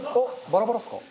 バラバラですか？